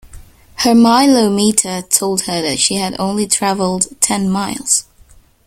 Her mileometer told her that she had only travelled ten miles